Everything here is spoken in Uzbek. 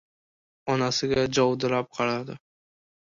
Onasiga jovdirab qaradi.